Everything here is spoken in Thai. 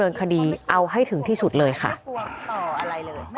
ก็เป็นสถานที่ตั้งมาเพลงกุศลศพให้กับน้องหยอดนะคะ